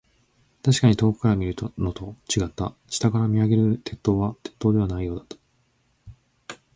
確かに遠くから見るのと、違った。下から見上げる鉄塔は、鉄塔ではないようだ。